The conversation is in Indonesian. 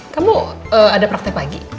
kamu ada praktek pagi